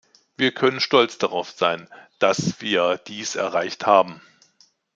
Wir können stolz darauf sein, dass wir dies erreicht haben.